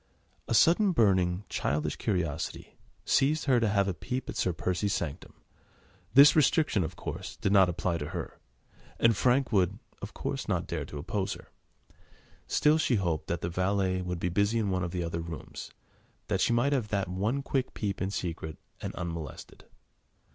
A sudden, burning, childish curiosity seized her to have a peep at Sir Percy's sanctum. The restriction, of course, did not apply to her, and Frank would, of course, not dare to oppose her. Still, she hoped that the valet would be busy in one of the other rooms, that she might have that one quick peep in secret, and unmolested.